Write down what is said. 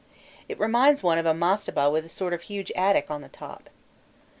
It reminds one of a mastaba with a sort of huge attic on the top.